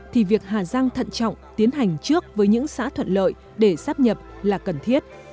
thì việc hà giang thận trọng tiến hành trước với những xã thuận lợi để sắp nhập là cần thiết